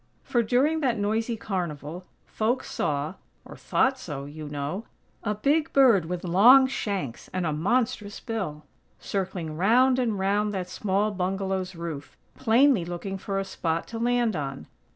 For, during that noisy carnival, folks saw (or thought so, you know), a big bird with long shanks and a monstrous bill, circling round and round that small bungalow's roof, plainly looking for a spot to land on.